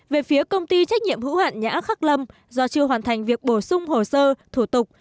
về phía công ty trách nhiệm hữu hạn nhã khắc lâm do chưa hoàn thành việc bổ sung hồ sơ thủ tục